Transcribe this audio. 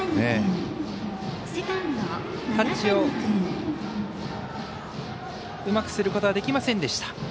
タッチをうまくすることはできませんでした。